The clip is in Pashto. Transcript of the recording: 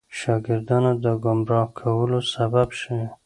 شاګردانو د ګمراه کولو سبب شي.